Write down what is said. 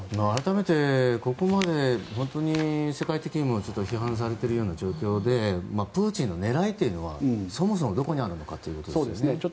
改めてここまで本当に世界的にも批判されているような状況でプーチンの狙いというのはそもそもどこにあるのかということですね。